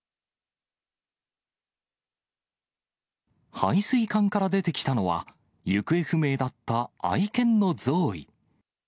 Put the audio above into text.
配水管から出てきたのは、行方不明だった愛犬のゾーイ。